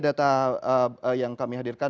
data yang kami hadirkan